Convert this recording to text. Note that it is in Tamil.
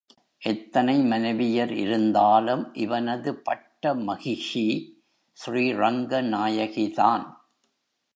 எத்தனை மனைவியர் இருந்தாலும் இவனது பட்டமகிஷி ஸ்ரீரங்கநாயகிதான்.